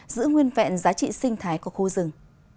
giữ nguyên vẹn giá trị sinh thái của khu rừng